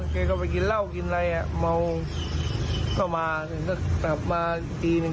แกก็ไปกินเหล้ากินอะไรอ่ะเมาก็มาถึงก็กลับมาอีกทีหนึ่ง